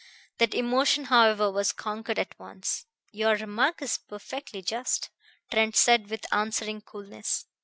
That emotion, however, was conquered at once. "Your remark is perfectly just," Trent said with answering coolness.